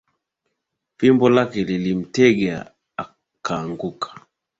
Fimbo lake lilimtega akaanguka